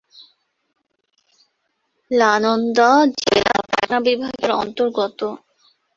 নালন্দা জেলা পাটনা বিভাগের অন্তর্গত।